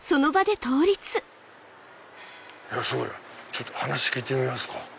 ちょっと話聞いてみますか。